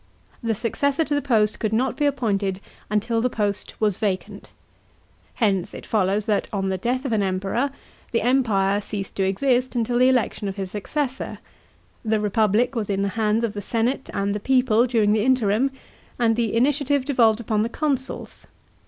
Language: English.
The successor to the post could not be appointed until the post was vacant. Hence it follows that, on the death of an Emperor, the Empire ceased to exist until the election of his successor; the republic was in the hands of the senate and the people during the interim, and the initiative devolved upon the consuls.